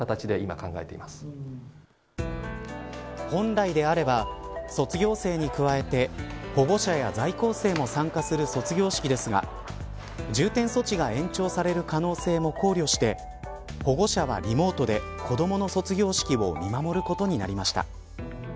本来であれば卒業生に加えて保護者や在校生も参加する卒業式ですが重点措置が延長される可能性も考慮して保護者はリモートで子どもの卒業式を見守ることになりました。